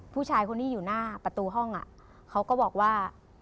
ผู้ชายคนที่อยู่หน้าประตูห้องเขาก็บอกว่า